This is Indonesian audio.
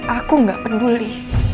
aku gak peduli